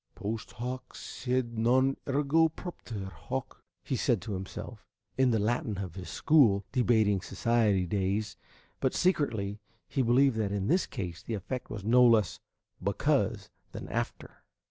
"Post hoc sed non ergo propter hoc," he said to himself, in the Latin of his school debating society days; but secretly he believed that in this case the effect was no less "because" than "after."